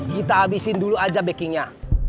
kita abisin dulu aja bakingnya